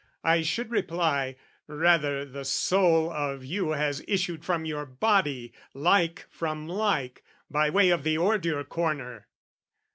I should reply, "Rather, the soul of you "Has issued from your body, like from like, "By way of the ordure corner!"